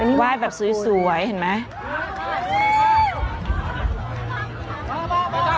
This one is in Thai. เออว่ายแบบสวยเห็นไหม